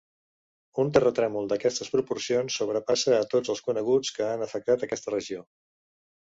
Un terratrèmol d'aquestes proporcions sobrepassa a tots els coneguts que han afectat aquesta regió.